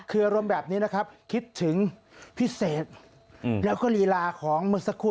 คืออารมณ์แบบนี้นะครับคิดถึงพิเศษแล้วก็ลีลาของเมื่อสักครู่